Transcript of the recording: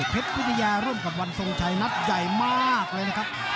วิทยาร่วมกับวันทรงชัยนัดใหญ่มากเลยนะครับ